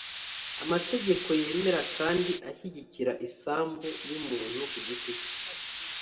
amategeko yemera kandi ashyigikira isambu y'umuntu ku giti cye